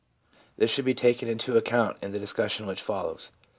This should be taken into account in the discussion which follows.